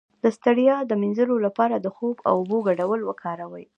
د ستړیا د مینځلو لپاره د خوب او اوبو ګډول وکاروئ